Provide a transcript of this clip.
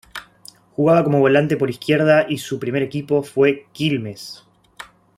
Jugaba como volante por izquierda y su primer equipo fue Quilmes.